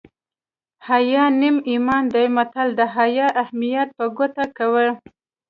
حیا نیم ایمان دی متل د حیا اهمیت په ګوته کوي